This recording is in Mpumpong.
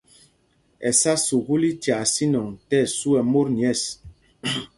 Ɛsá sukûl í tyaa sínɔŋ tí ɛsu ɛ́ mot nyɛ̂ɛs.